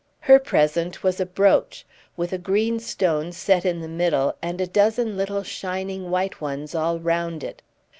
Her present was a brooch, with a green stone set in the middle and a dozen little shining white ones all round it.